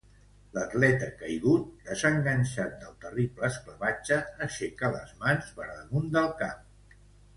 L'atleta caigut, desenganxat del terrible esclavatge, aixeca les mans per damunt del cap.